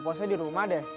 posa di rumah deh